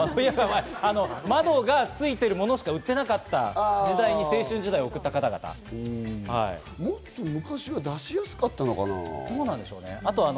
窓がついてるものしか売っていなかった時代に青春時代を送った方もっと昔は出しやすかったのかな？